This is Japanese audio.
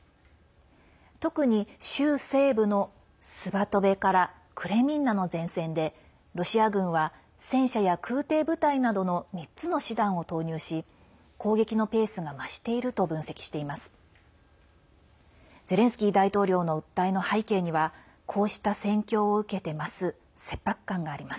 特に州西部のスバトベからクレミンナの前線でロシア軍は戦車や空てい部隊などの３つの師団を投入し攻撃のペースが増していると分析しています。